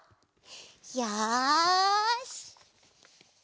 よし！